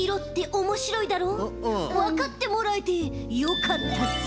わかってもらえてよかったぜ。